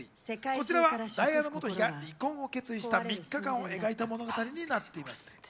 こちらはダイアナ元妃が離婚を決意した３日間を描いた物語になっています。